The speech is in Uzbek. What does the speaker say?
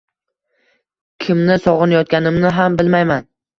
Kimni sog‘inayotganimni ham bilmayman